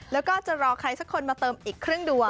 แล้วก็จะรอใครสักคนมาเติมอีกครึ่งดวง